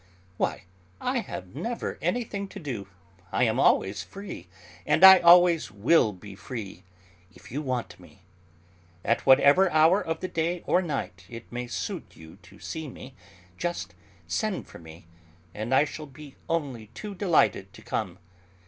Why, I have never anything to do. I am always free, and I always will be free if you want me. At whatever hour of the day or night it may suit you to see me, just send for me, and I shall be only too delighted to come.